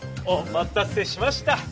お待たせしました。